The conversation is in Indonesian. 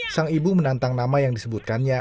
sang ibu menantang nama yang disebutkannya